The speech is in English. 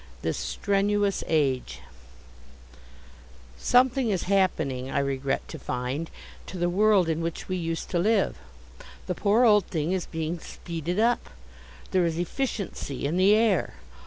This Strenuous Age Something is happening, I regret to find, to the world in which we used to live. The poor old thing is being "speeded up." There is "efficiency" in the air.